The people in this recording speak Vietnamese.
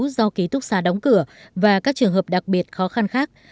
do ký túc xa đóng cửa và các trường hợp đặc biệt khó khăn khác